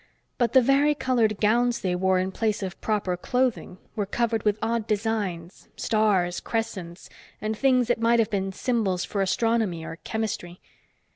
But the varicolored gowns they wore in place of proper clothing were covered with odd designs, stars, crescents and things that might have been symbols for astronomy or chemistry.